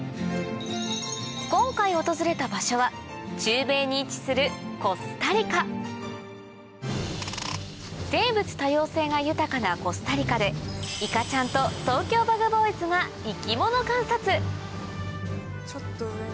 今回訪れた場所は中米に位置するコスタリカ生物多様性が豊かなコスタリカでいかちゃんとＴｏｋｙｏＢｕｇＢｏｙｓが生き物観察ちょっと上に。